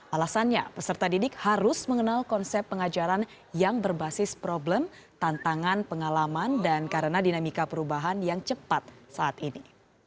alasannya peserta didik harus mengenal konsep pengajaran yang berbasis problem tantangan pengalaman dan karena dinamika perubahan yang cepat saat ini